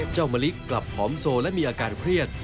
มะลิกลับผอมโซและมีอาการเครียด